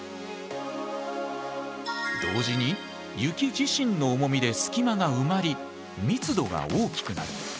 同時に雪自身の重みで隙間が埋まり密度が大きくなる。